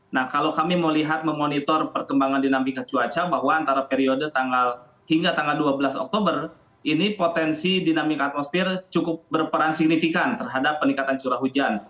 nah kalau kami melihat memonitor perkembangan dinamika cuaca bahwa antara periode tanggal hingga tanggal dua belas oktober ini potensi dinamika atmosfer cukup berperan signifikan terhadap peningkatan curah hujan